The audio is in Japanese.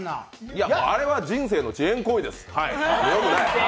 あれは人生の遅延行為です。